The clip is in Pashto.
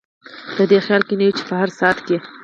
په دې خیال کې نه یو چې په هر ساعت کې.